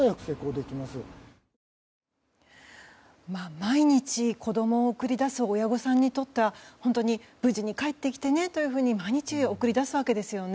毎日、子供を送り出す親御さんにとっては本当に無事に帰ってきてねというふうに毎日送り出すわけですよね。